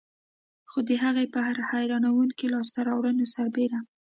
خو د هغې پر حیرانوونکو لاسته راوړنو سربېر.